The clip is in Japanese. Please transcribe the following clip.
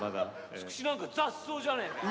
「つくしなんか雑草じゃねえか」。